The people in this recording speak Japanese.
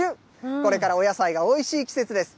これからお野菜がおいしい季節です。